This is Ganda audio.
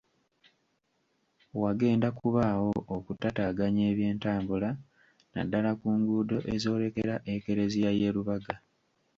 Wagenda kubaawo okutataaganya eby’entambula naddala ku nguudo ezolekera Ekereziya ye Lubaga.